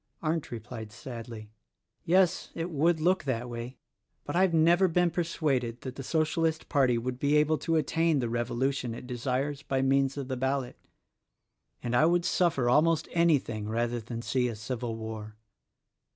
Arndt replied sadly: "Yes; it would look that way; but I have never been persuaded that the Socialist Party would be able to attain the revolution it desires by means of the ballot, — and I would suffer almost anything rather than see a civil war.